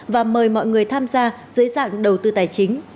và mời mọi người tham gia dưới dạng đầu tư tài chính